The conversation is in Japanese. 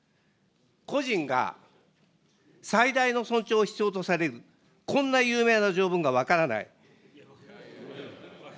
個人が最大の尊重を必要とされる、こんな有名な条文が分からない。